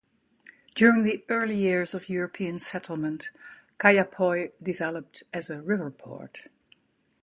During the early years of European settlement, Kaiapoi developed as a river port.